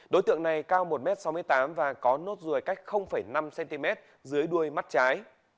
đối tượng này cao một m sáu mươi tám và có nốt ruồi cách năm cm dưới đuôi mắt trái